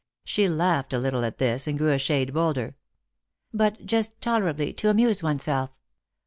She laughed a little at this, and grew a shade bolder. " But just tolerably, to amuse oneself."